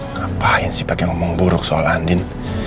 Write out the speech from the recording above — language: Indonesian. ngapain sih pakai ngomong buruk soal andin